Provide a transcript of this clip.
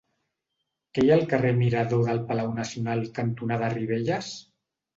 Què hi ha al carrer Mirador del Palau Nacional cantonada Ribelles?